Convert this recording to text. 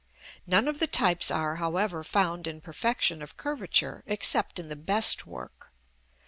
None of the types are, however, found in perfection of curvature, except in the best work.